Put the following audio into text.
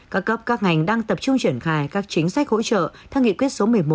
các cấp các ngành đang tập trung triển khai các chính sách hỗ trợ theo nghị quyết số một mươi một